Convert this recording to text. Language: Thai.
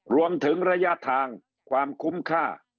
รวมถึงระยะทางความคุ้มค่า